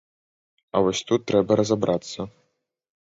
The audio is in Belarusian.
А вось тут трэба разабрацца.